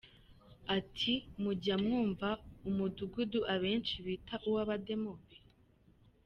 Ati “Mujya mwumva umudugudu abenshi bita uw’ abademobe.